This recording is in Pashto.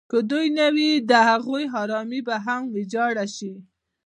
که دوی نه وي د هغوی ارامي به هم ویجاړه شي.